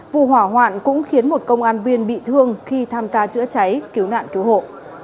vụ hỏa hoạn cũng khiến một công an viên bị thương khi tham gia chữa cháy cứu nạn cứu hộ